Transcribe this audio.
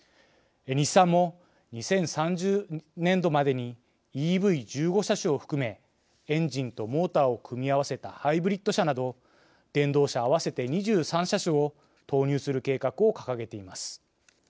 日産も２０３０年度までにＥＶ１５車種を含めエンジンとモーターを組み合わせたハイブリッド車など電動車合わせて２３車種を投入する計画を掲げています。